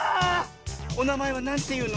おなまえはなんていうの？